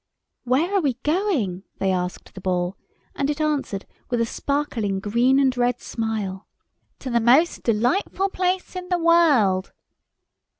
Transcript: "Where are we going?" they asked the Ball, and it answered, with a sparkling green and red smile— "To the most delightful place in the world."